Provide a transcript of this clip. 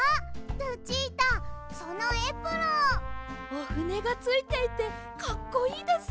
おふねがついていてかっこいいです。